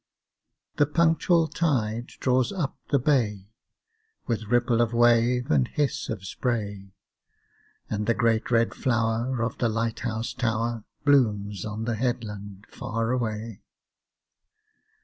The punctual tide draws up the bay, With ripple of wave and hiss of spray, And the great red flower of the light house tower Blooms on the headland far away.